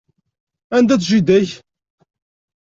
Anda-tt jida-k?